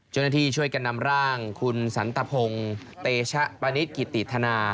เจ้าหน้าที่ช่วยกันนำร่างคุณสันตะพงศ์เตชะปณิตกิติธนา